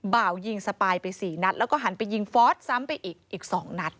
บ่าวยิงสปายไป๔นัดแล้วก็หันไปยิงฟอสซ้ำไปอีก๒นัด